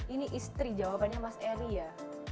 ini istri jawabannya mas eri ya